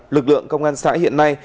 lực lượng công an xã hiện nay